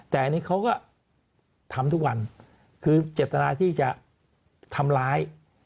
แต่อันนี้เขาก็ทำทุกวันคือเจตนาที่จะทำร้าย